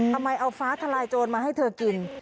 ทำไมเอาฟ้าทลายโจรมาให้เธอกิน